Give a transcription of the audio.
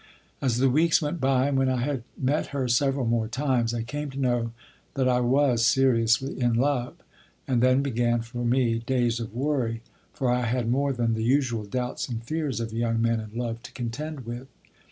As the weeks went by, and when I had met her several more times, I came to know that I was seriously in love; and then began for me days of worry, for I had more than the usual doubts and fears of a young man in love to contend with.